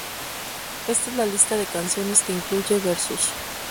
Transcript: Esta es la lista de canciones que incluye "Versus".